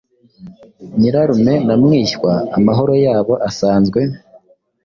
Nyirarume na mwishywa amahoro yabo asanzwe